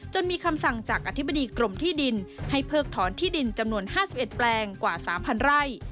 มีคำสั่งจากอธิบดีกรมที่ดินให้เพิกถอนที่ดินจำนวน๕๑แปลงกว่า๓๐๐ไร่